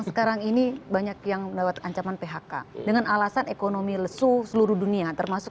sekarang ini banyak yang lewat ancaman phk dengan alasan ekonomi lesu seluruh dunia termasuk